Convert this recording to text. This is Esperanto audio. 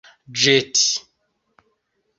ĵeti